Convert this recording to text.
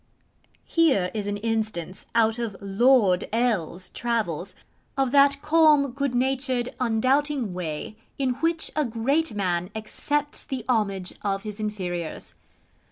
Here is an instance, out of Lord L 's travels, of that calm, good natured, undoubting way in which a great man accepts the homage of his inferiors.